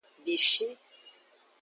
Bishi.